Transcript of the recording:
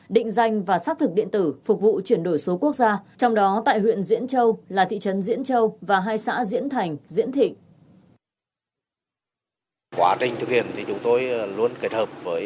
định danh và xác thực điện tử phục vụ chuyển đổi số quốc gia trong đó tại huyện diễn châu là thị trấn diễn châu và hai xã diễn thành diễn thịnh